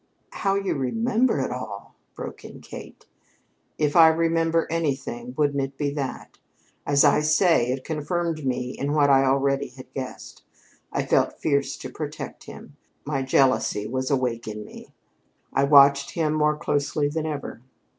"How you remember it all!" broke in Kate. "If I remember anything, wouldn't it be that? As I say, it confirmed me in what I already had guessed. I felt fierce to protect him. My jealousy was awake in me. I watched him more closely than ever.